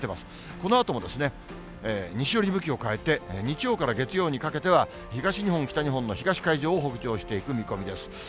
このあともですね、西寄りに向きを変えて、日曜から月曜かけては、東日本、北日本の東海上を北上していく見込みです。